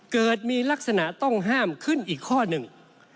เกิดมีลักษณะต้องห้ามขึ้นอีกข้อหนึ่ง